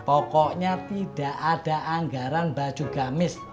pokoknya tidak ada anggaran baju gamis